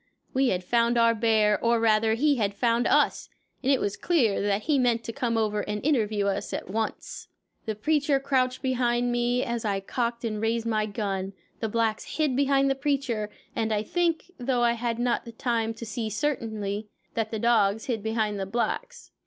We had found our bear, or rather, he had found us, and it was clear that he meant to come over and interview us at once. The preacher crouched behind me as I cocked and raised my gun, the blacks hid behind the preacher, and I think, though I had not time to see certainly, that the dogs hid behind the blacks.